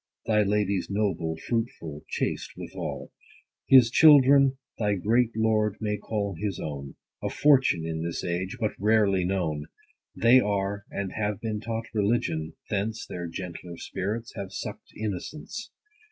Thy lady's noble, fruitful, chaste withal. 90 His children thy great lord may call his own ; A fortune, in this age, but rarely known. They are, and have been taught religion ; thence Their gentler spirits have suck'd innocence.